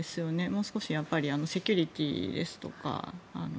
もう少しやっぱりセキュリティーですとか